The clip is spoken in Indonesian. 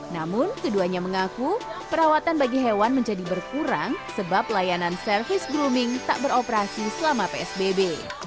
namun keduanya mengaku perawatan bagi hewan menjadi berkurang sebab layanan service grooming tak beroperasi selama psbb